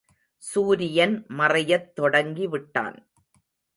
சூரியன் மறையத் தொடங்கி விட்டான்.